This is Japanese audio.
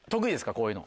こういうの。